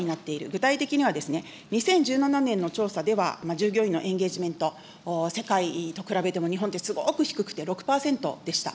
具体的には、２０１７年の調査では、従業員のエンゲージメント、世界と比べても、日本ってすごく低くて、６％でした。